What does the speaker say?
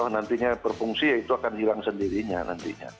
nantinya berfungsi ya itu akan hilang sendirinya nantinya